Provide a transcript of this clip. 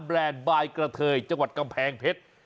แรนด์บายกระเทยจังหวัดกำแพงเพชร